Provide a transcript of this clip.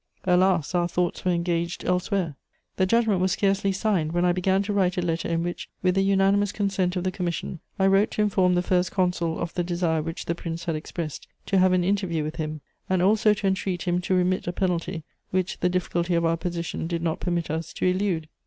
"Alas, our thoughts were engaged elsewhere! The judgment was scarcely signed when I began to write a letter in which, with the unanimous consent of the commission, I wrote to inform the First Consul of the desire which the Prince had expressed to have an interview with him, and also to entreat him to remit a penalty which the difficulty of our position did not permit us to elude.